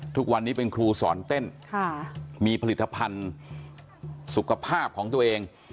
ทุกวันนี้เป็นครูสอนเต้นมีผลิตภัณฑ์สุขภาพของตัวเอง